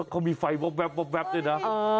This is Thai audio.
เขามีไฟวับนี่นะ